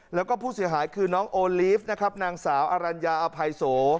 แล้วก็ผู้เสียหายคือน้องโอลีฟนะครับนางสาวอรัญญาอภัยโส